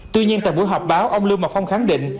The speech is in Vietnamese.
tuy nhiên tại buổi họp báo ông lưu ngọc phong khẳng định